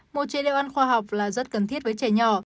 một chế độ ăn khoa học là rất cần thiết với trẻ nhỏ